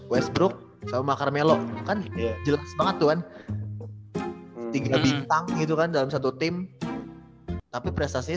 westbrook sama carmelo kan jelas banget tuhan tiga bintang itu kan dalam satu tim tapi prestasinya